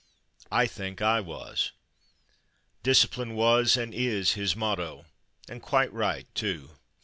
(I think I was.) Discipline was, and is, his motto, and quite right, too.